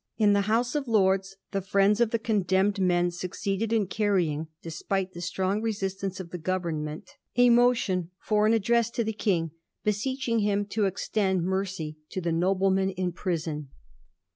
In the House of Lords the friends of the condemned men succeeded in carrying, despite the strong resistance of the Government, a motion for an address to the King, beseeching him to extend mercy to the noblemen in prison.